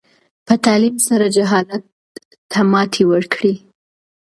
په تعلیم سره جهالت ته ماتې ورکړئ.